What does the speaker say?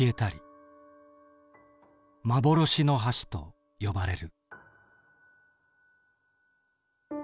幻の橋と呼ばれる。